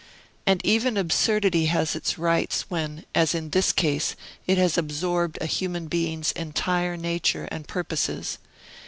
And even absurdity has its rights, when, as in this case, it has absorbed a human being's entire nature and purposes.